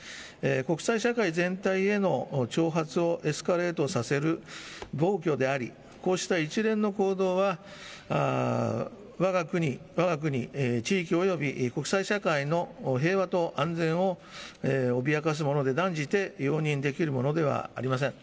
国際社会全体への挑発をエスカレートさせる暴挙であり、こうした一連の行動は、わが国、地域および国際社会の平和と安全を脅かすもので、断じて容認できるものではありません。